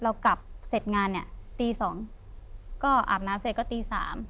เรากลับเสร็จงานเนี่ยตี๒ก็อาบน้ำเสร็จก็ตี๓